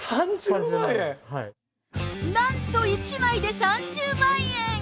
なんと、１枚で３０万円。